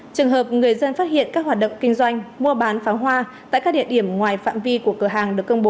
trường hợp người dân phát hiện các hoạt động kinh doanh mua bán pháo hoa tại các địa điểm ngoài phạm vi của cửa hàng được công bố